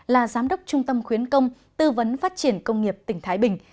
là giám đốc trung tâm khuyến công tư vấn phát triển công nghiệp tỉnh thái bình